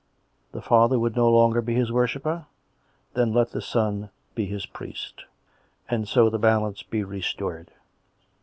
The father would no longer be His worshipper? Then let the son be His priest; and so the balance be restored.